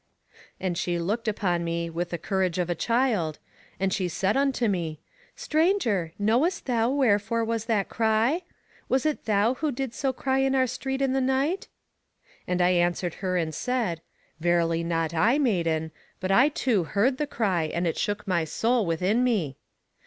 And she looked upon me with the courage of a child, and she said unto me, Stranger, knowest thou wherefore was that cry? Was it thou who did so cry in our street in the night? And I answered her and said, Verily not I, maiden, but I too heard the cry, and it shook my soul within me.